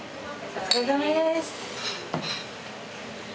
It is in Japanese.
お疲れさまです。